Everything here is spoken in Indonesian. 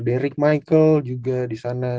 derick michael juga disana